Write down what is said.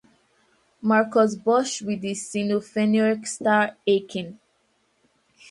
Marcus Bosch with the Sinfonieorchester Aachen